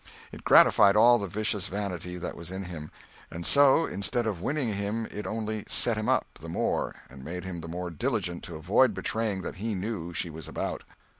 It gratified all the vicious vanity that was in him; and so, instead of winning him, it only "set him up" the more and made him the more diligent to avoid betraying that he knew she was about.